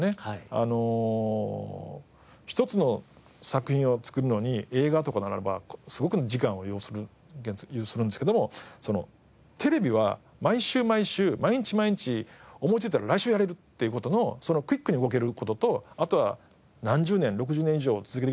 あの一つの作品を作るのに映画とかならばすごく時間を要するんですけどもテレビは毎週毎週毎日毎日思いついたら来週やれるっていう事のクイックに動ける事とあとは何十年６０年以上続けてきた